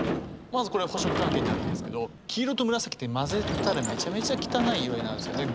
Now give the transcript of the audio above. まずこれは補色関係にあるんですけど黄色と紫って混ぜたらめちゃめちゃ汚い色になるんですよね。